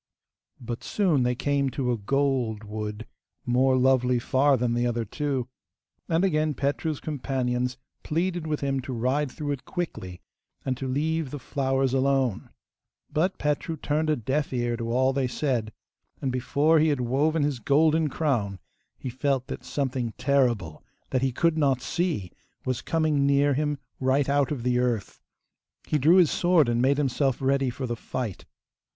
But soon they came to a gold wood more lovely far than the other two, and again Petru's companions pleaded with him to ride through it quickly, and to leave the flowers alone. But Petru turned a deaf ear to all they said, and before he had woven his golden crown he felt that something terrible, that he could not see, was coming near him right out of the earth. He drew his sword and made himself ready for the fight.